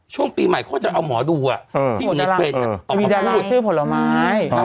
ช่วงปีใหม่เขาจะเอาหมอดูอ่ะเออที่อยู่ในเทรนด์เออมีดาราชื่อผลไม้อ๋อ